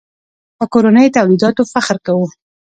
په کورنیو تولیداتو فخر کوو.